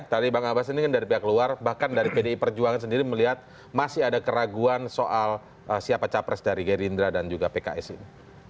tadi bang abas ini kan dari pihak luar bahkan dari pdi perjuangan sendiri melihat masih ada keraguan soal siapa capres dari gerindra dan juga pks ini